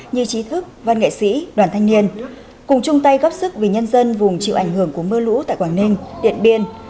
như trí thức văn nghệ sĩ đoàn thanh niên cùng chung tay góp sức vì nhân dân vùng chịu ảnh hưởng của mưa lũ tại quảng ninh điện biên